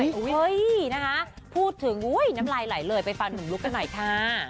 อุ้ยนะคะพูดถึงน้ำลายไหลเลยไปฟังหนุ่มลุกกันหน่อยค่ะ